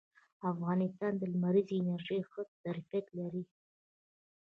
افغانستان د لمریزې انرژۍ ښه ظرفیت لري